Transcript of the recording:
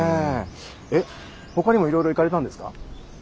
えっほかにもいろいろ行かれたんですか？